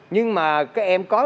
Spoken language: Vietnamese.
nhưng mà các em có